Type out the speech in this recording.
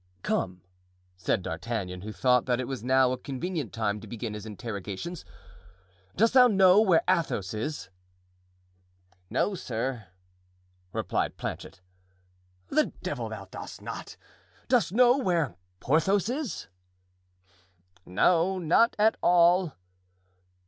"Come," said D'Artagnan, who thought that it was now a convenient time to begin his interrogations, "dost thou know where Athos is?" "No, sir," replied Planchet. "The devil thou dost not! Dost know where Porthos is?" "No—not at all."